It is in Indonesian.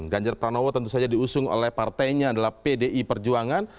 ganjar pranowo tentu saja diusung oleh partainya adalah pdi perjuangan